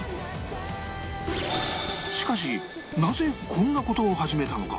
しかしなぜこんな事を始めたのか？